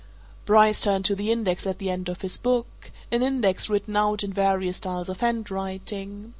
Bryce turned to the index at the end of his book an index written out in various styles of handwriting.